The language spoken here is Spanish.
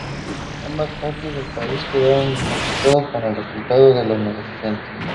Ambas partes del país quedaron descontentas con el resultado de las negociaciones.